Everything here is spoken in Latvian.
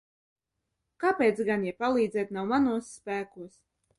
Kāpēc gan, ja palīdzēt nav manos spēkos?